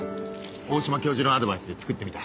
大島教授のアドバイスで作ってみた。